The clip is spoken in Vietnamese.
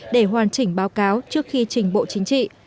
để hoàn chỉnh báo cáo trước khi trình bộ chính trị